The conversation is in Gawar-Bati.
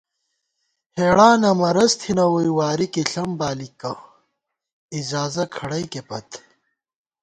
ہېڑانہ مرَض تھنہ ووئی، واری کی ݪم بالِکہ ، اجازہ کھڑَئیکےپت